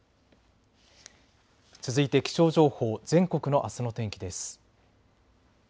続いて気象情報全国のあすの天気です。